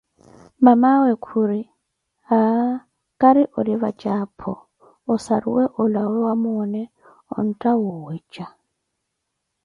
Mamawe khuri: aaah, kari ori vadje aphô ossaruwe olawe wa moone ontha wuwedja